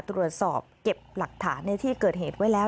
ตรวจสอบเก็บหลักฐานในที่เกิดเหตุไว้แล้ว